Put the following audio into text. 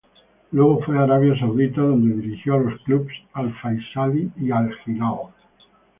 Luego fue a Arabia Saudita donde dirigió a los clubes Al-Faisaly y Al-Hilal.